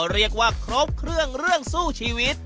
เรียกว่าครบเครื่องเรื่องสู้ชีวิต